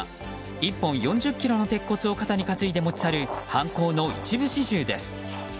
１本４０ｋｇの鉄骨を肩に担いで持ち去る犯行の一部始終です。